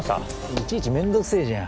いちいちめんどくせえじゃん